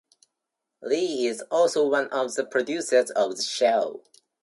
Lee is also one of the producers of the show.